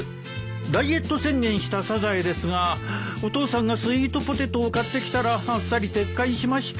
ダイエット宣言したサザエですがお父さんがスイートポテトを買ってきたらあっさり撤回しました。